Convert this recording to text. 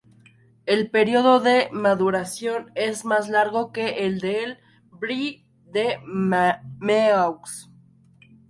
El periodo de maduración es más largo que el del Brie de Meaux.